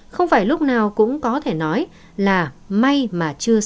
không phải lúc nào cũng có thể nói là may mà chưa xong